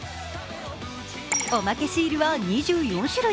おまけシールは２４種類。